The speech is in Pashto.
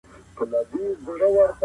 د پياده رو لاره وکاروئ.